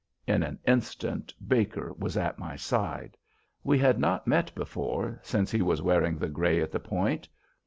In an instant Baker was at my side. We had not met before since he was wearing the gray at the Point.